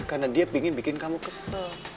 karena dia pingin bikin kamu kesel